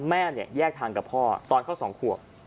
แม่เนี่ยแยกทางกับพ่อตอนเขา๒ขวบ